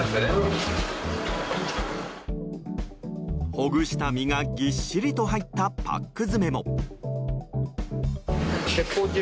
ほぐした身がぎっしりと入ったパック詰めも。